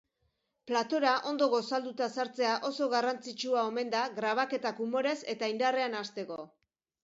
Platora ondo gosalduta sartzea oso garrantzitsua omen da grabaketak umorez eta indarrean hasteko.